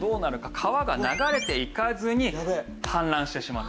川が流れていかずに氾濫してしまう。